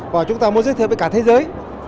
và chúng ta muốn giới thiệu với cả thế giới